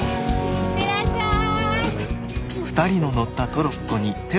行ってらっしゃい！